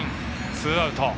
ツーアウト。